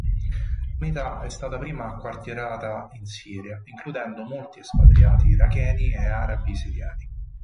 L'unità è stata prima acquartierata in Siria includendo molti espatriati iracheni e arabi siriani.